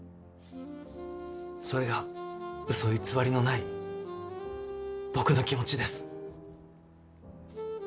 それがうそ偽りのない僕の気持ちです。